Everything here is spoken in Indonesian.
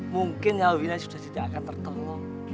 mungkin ya bu ina sudah tidak akan tertolong